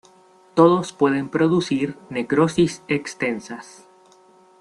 Todos pueden producir necrosis extensas.